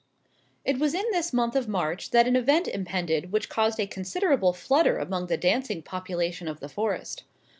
It was in this month of March that an event impended which caused a considerable flutter among the dancing population of the Forest.